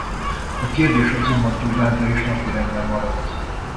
A kérdés azonban továbbra is napirenden maradt.